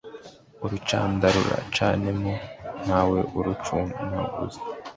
urucanda rucanemo ntawe urucunaguza